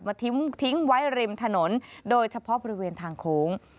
ทิ้งทิ้งไว้ริมถนนโดยเฉพาะบริเวณทางโค้ง